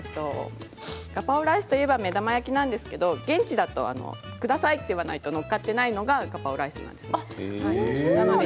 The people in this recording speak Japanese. ガパオライスといえば目玉焼きなんですが現地だとくださいと言わないと載っかっていないのがガパオライスなんです。